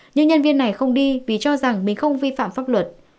nhưng nhân viên này không đi vì cho rằng mình không vi phạm pháp luật